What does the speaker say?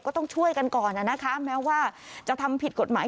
ก็ต้องช่วยกันก่อนนะคะแม้ว่าจะทำผิดกฎหมาย